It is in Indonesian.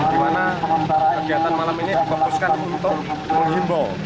di mana kegiatan malam ini difokuskan untuk menghimbau